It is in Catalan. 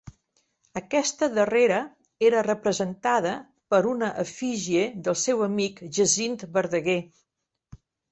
Aquesta darrera era representada per una efígie del seu amic Jacint Verdaguer.